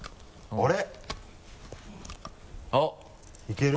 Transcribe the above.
あれ？